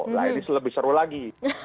nah ini lebih seru lagi